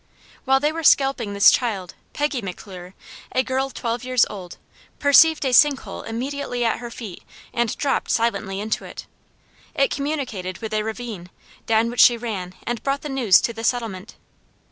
While they were scalping this child, Peggy McClure, a girl twelve years old, perceived a sink hole immediately at her feet and dropped silently into it. It communicated with a ravine, down which she ran and brought the news to the settlement.